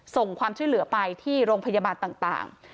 ความช่วยเหลือไปที่โรงพยาบาลต่าง